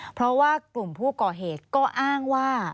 เพราะว่ากลุ่มผู้ก่อเหตุก็อ้างว่า